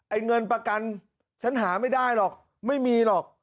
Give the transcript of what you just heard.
เงินประกันฉันหาไม่ได้หรอกไม่มีหรอก